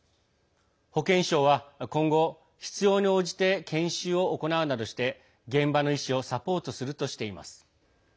保健省は今後、必要に応じて研修を行うなどして現場の医師をサポートするとしています。